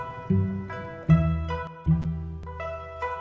gak ada apa apa